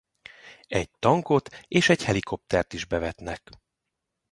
Egy tankot és egy helikoptert is bevetnek.